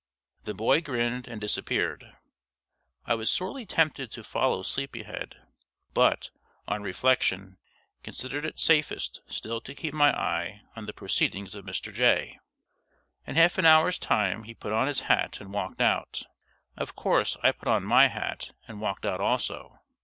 The boy grinned and disappeared. I was sorely tempted to follow "sleepy head," but, on reflection, considered it safest still to keep my eye on the proceedings of Mr. Jay. In half an hour's time he put on his hat and walked out. Of course I put on my hat and walked out also.